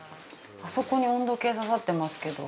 ◆あそこに温度計刺さってますけど。